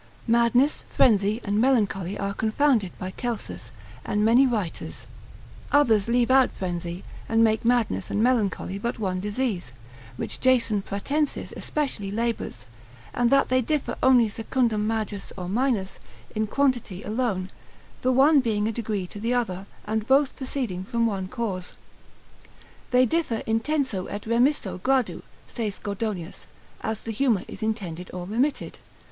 ] Madness, frenzy, and melancholy are confounded by Celsus, and many writers; others leave out frenzy, and make madness and melancholy but one disease, which Jason Pratensis especially labours, and that they differ only secundam majus or minus, in quantity alone, the one being a degree to the other, and both proceeding from one cause. They differ intenso et remisso gradu, saith Gordonius, as the humour is intended or remitted.